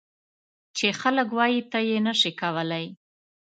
چې خلک وایي ته یې نه شې کولای.